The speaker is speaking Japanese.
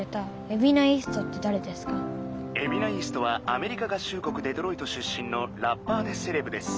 「エビナ・イーストはアメリカ合衆国デトロイト出身のラッパーでセレブです」。